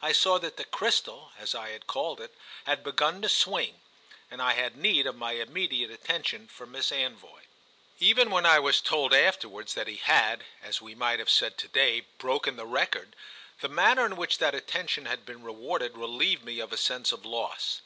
I saw that the crystal, as I had called it, had begun to swing, and I had need of my immediate attention for Miss Anvoy. Even when I was told afterwards that he had, as we might have said to day, broken the record, the manner in which that attention had been rewarded relieved me of a sense of loss.